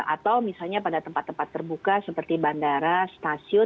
atau misalnya pada tempat tempat terbuka seperti bandara stasiun